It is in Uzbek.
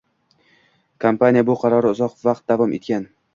Kompaniya bu qarori uzoq vaqt davom etgan.